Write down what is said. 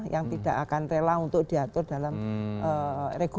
yang tidak akan rela untuk diatur dalam regulasi